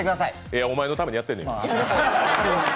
お前のためにやってんねん、今。